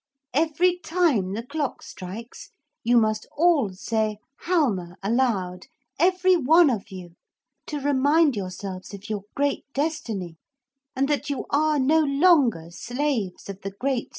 Every time the clock strikes you must all say "Halma!" aloud, every one of you, to remind yourselves of your great destiny, and that you are no longer slaves of the Great Sloth.'